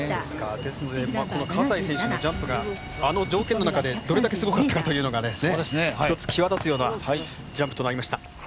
ですので、葛西選手のジャンプがあの条件の中でどれだけすごかったかというのが一つ、際立つようなジャンプとなりました。